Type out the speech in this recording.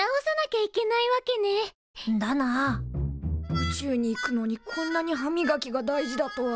宇宙に行くのにこんなに歯みがきが大事だとは。